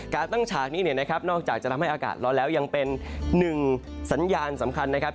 การตั้งฉากนี้เนี่ยนะครับนอกจากจะทำให้อากาศร้อนแล้วยังเป็นหนึ่งสัญญาณสำคัญนะครับ